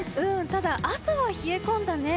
ただ、朝は冷え込んだね。